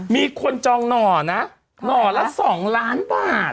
มีคนจองหน่อนะหน่อละ๒ล้านบาท